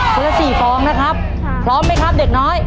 คนละ๔ฟองนะครับพร้อมไหมครับเด็กน้อย